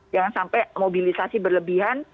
jangan sampai mobilisasi berlebihan